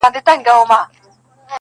دې میدان کي د چا نه دی پوروړی٫